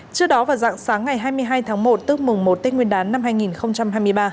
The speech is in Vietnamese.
trước đó vào dạng sáng ngày hai mươi hai tháng một tức mùng một tết nguyên đán năm hai nghìn hai mươi ba